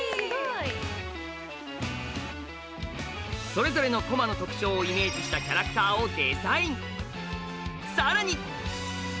それぞれの駒の特徴をイメージしたキャラクターをデザイン！